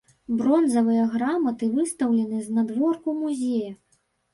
Бронзавыя гарматы выстаўлены знадворку музея.